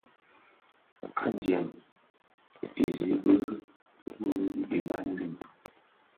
Adyèn i nzibiri wu iban win,